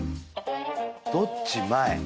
どっち前？